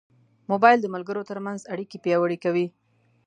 موبایل د ملګرو ترمنځ اړیکې پیاوړې کوي.